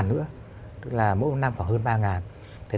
tức là mỗi năm khoảng hơn ba